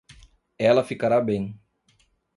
Ela ficará bem.